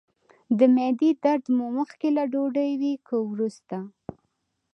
د معدې درد مو مخکې له ډوډۍ وي که وروسته؟